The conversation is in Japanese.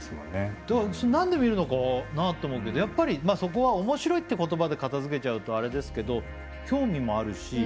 何で見るのかなと思うけどやっぱりそこは面白いって言葉で片づけちゃうとあれですけど興味もあるし。